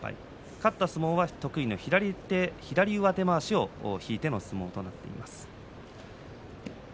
勝った相撲は得意の左上手まわしを引いての相撲となっています。